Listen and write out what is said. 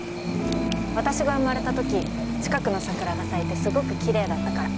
私が生まれた時近くの桜が咲いてすごくきれいだったから。